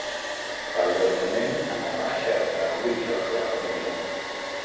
Periòdicament anava a Xerta on vivia la seva família.